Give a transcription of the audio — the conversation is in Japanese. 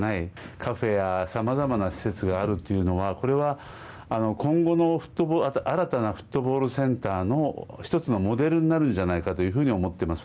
カフェや、さまざまな施設があるというのはこれは今後の新たなフットボールセンターの一つのモデルになるんじゃないかと思っています。